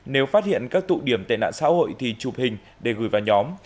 nếu phát hiện các tụ điểm tệ nạn xã hội thì chụp hình để gửi vào nhóm